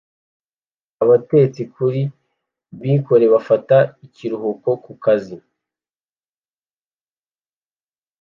abatetsi kuri bkoni bafata ikiruhuko ku kazi